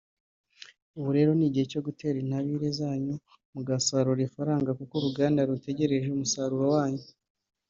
ubu rero ni igihe cyo gutera intabire zanyu mugasarura ifaranga kuko uruganda rutegereje umusaruro wanyu”